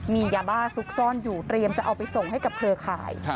มียาบ้าซุกซ่อนอยู่เตรียมจะเอาไปส่งให้กับเครือข่าย